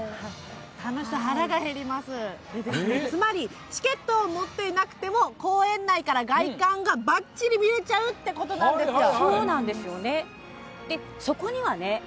つまり、チケットを持っていなくても公園内から外観がばっちり見れちゃうっていうことなんですよ。